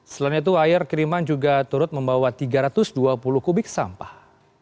selain itu air kiriman juga turut membawa tiga ratus dua puluh kubik sampah